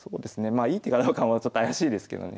いい手かどうかもちょっと怪しいですけどね。